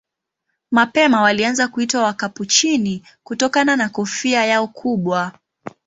Mapema walianza kuitwa Wakapuchini kutokana na kofia yao kubwa.